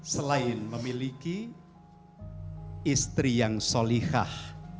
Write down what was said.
selain memiliki istri yang solikah